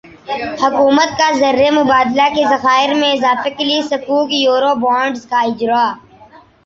حکومت کازر مبادلہ کے ذخائر میں اضافے کےلیے سکوک یورو بانڈزکا اجراء